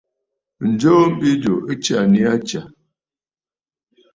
Ǹjoo mbi jù ɨ tsyà nii aa tsyà.